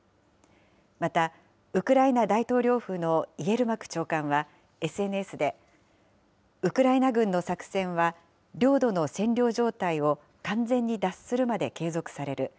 また、ウクライナ大統領府のイエルマク長官はＳＮＳでウクライナ軍の作戦は、領土の占領状態を完全に脱するまで継続される。